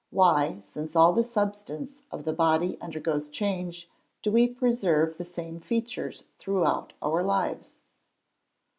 _Why, since all the substance of the body undergoes change, do we preserve the same features throughout our lives?